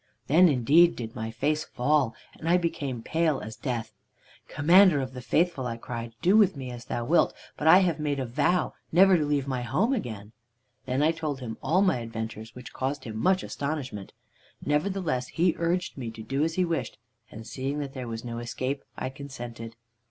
"Then indeed did my face fall, and I became pale as death. "'Commander of the Faithful,' I cried, 'do with me as thou wilt, but I have made a vow never to leave my home again.' "Then I told him all my adventures, which caused him much astonishment. Nevertheless, he urged me to do as he wished, and seeing that there was no escape, I consented.